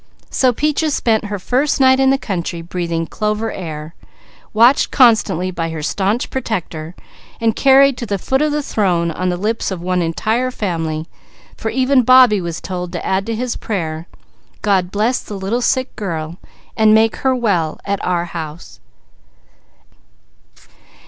So Peaches spent her first night in the country breathing clover air, watched constantly by her staunch protector, and carried to the foot of the Throne on the lips of one entire family; for even Bobbie was told to add to his prayer: "God bless the little sick girl, and make her well at our house."